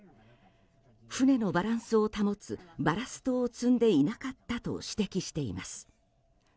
船のバランスを保つバラストを積んでいなかったと指摘しています。